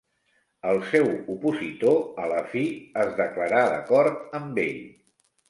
El seu opositor, a la fi, es declarà d'acord amb ell.